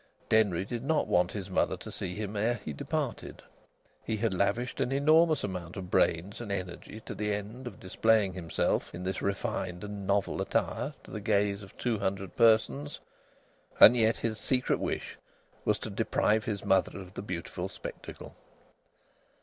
Denry did not want his mother to see him ere he departed. He had lavished an enormous amount of brains and energy to the end of displaying himself in this refined and novel attire to the gaze of two hundred persons, and yet his secret wish was to deprive his mother of the beautiful spectacle.